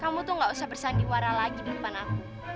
kamu tuh gak usah bersandiwara lagi di depan aku